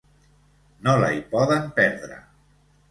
No la hi poden perdre.